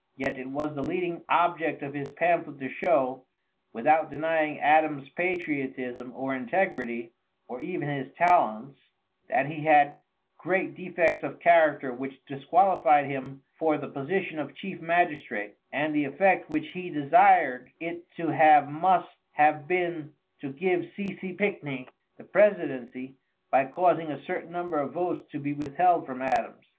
Yet, it was the leading object of his pamphlet to show, without denying Adams' patriotism or integrity, or even his talents, that he had great defects of character which disqualified him for the position of chief magistrate, and the effect which he desired it to have must have been to give C. C. Pickney the presidency, by causing a certain number of votes to be withheld from Adams.